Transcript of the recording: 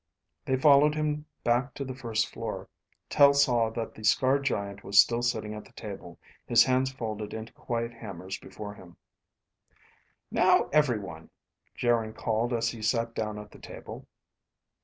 They followed him back to the first floor. Tel saw that the scarred giant was still sitting at the table, his hands folded into quiet hammers before him. "Now, everyone," Geryn called as he sat down at the table.